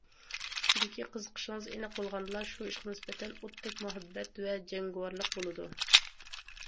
چۈنكى قىزىقىشىڭىز ئېنىق بولغاندىلا، شۇ ئىشقا نىسبەتەن ئوتتەك مۇھەببەت ۋە جەڭگىۋارلىق بولىدۇ.